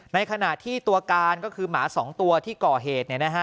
ในขณะที่ตัวการก็คือหมาสองตัวที่ก่อเหตุเนี่ยนะฮะ